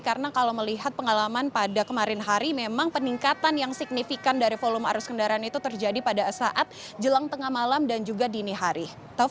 karena kalau melihat pengalaman pada kemarin hari memang peningkatan yang signifikan dari volume arus kendaraan itu terjadi pada saat jelang tengah malam dan juga dini hari